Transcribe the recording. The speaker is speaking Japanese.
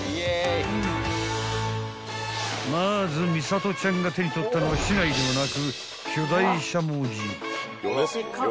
［まずミサトちゃんが手に取ったのは竹刀ではなく］